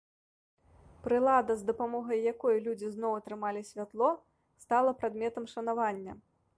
Прылада, з дапамогай якой людзі зноў атрымалі святло, стала прадметам шанавання.